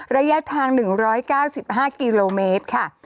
ระยะทาง๑๙๕กิโลเมตรค่ะ